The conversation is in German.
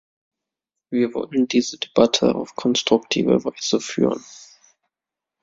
Wir wollen diese Debatte auf konstruktive Weise führen.